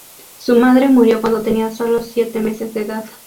Su madre murió cuando tenía sólo siete meses de edad.